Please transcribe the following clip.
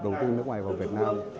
đầu tư nước ngoài vào việt nam